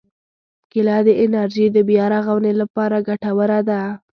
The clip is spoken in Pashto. کېله د انرژي د بیا رغونې لپاره ګټوره ده.